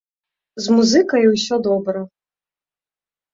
З музыкай усё добра.